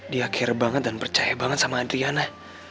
dia kira banget dan percaya banget sama adriana